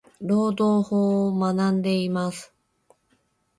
労働法を学んでいます。。